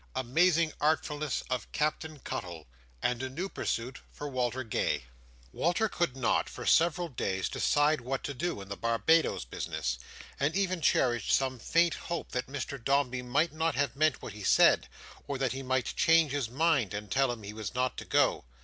Amazing Artfulness of Captain Cuttle, and a new Pursuit for Walter Gay Walter could not, for several days, decide what to do in the Barbados business; and even cherished some faint hope that Mr Dombey might not have meant what he had said, or that he might change his mind, and tell him he was not to go.